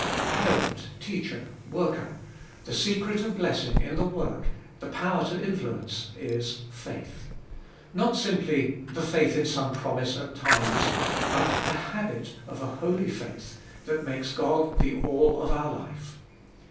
7. Parent, teacher, worker, the secret of blessing in the work, the power to influence, is— faith. Not simply the faith in some promise at times, but the habit of a holy faith that makes God the All of our life.